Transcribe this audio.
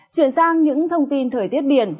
chuyển sang những thông tin thời tiết biển